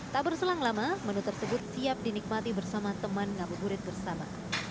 tak berselang lama menu tersebut siap dinikmati bersama teman ngabuburit bersama